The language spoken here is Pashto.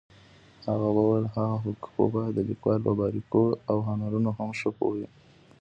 هغە به ویل هر حقوقپوه باید د لیکوالۍ په باريكييواو هنرونو هم ښه پوهوي.